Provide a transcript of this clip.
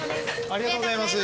ありがとうございます。